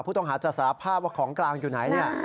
ผู้ต้องหาจะสารภาพว่าของกลางอยู่ไหนเนี่ย